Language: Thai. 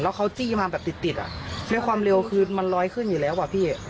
เขาจี้มาแบบติดติดอ่ะด้วยความเร็วคือมันลอยขึ้นอยู่แล้วอ่ะพี่